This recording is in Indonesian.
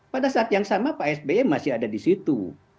pada saat yang sama pak sby masih ada di situ